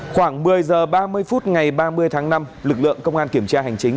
khoảng một mươi h ba mươi phút ngày ba mươi tháng năm lực lượng công an kiểm tra hành chính